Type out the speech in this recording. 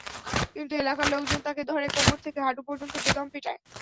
কিন্তু এলাকার লোকজন তাকে ধরে কোমর থেকে হাঁটু পর্যন্ত বেদম পেটায়।